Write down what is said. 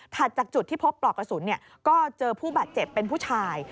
จากจุดที่พบปลอกกระสุนก็เจอผู้บาดเจ็บเป็นผู้ชาย